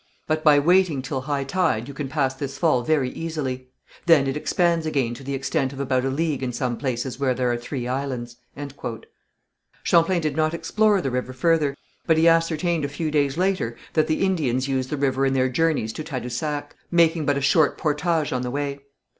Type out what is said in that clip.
But by waiting till high tide you can pass this fall very easily. Then it expands again to the extent of about a league in some places where there are three islands." Champlain did not explore the river further, but he ascertained a few days later that the Indians used the river in their journeys to Tadousac, making but a short portage on the way.